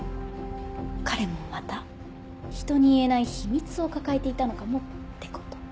彼もまたひとに言えない秘密を抱えていたのかもってこと。